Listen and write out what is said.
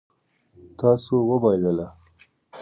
تاسو وبایلله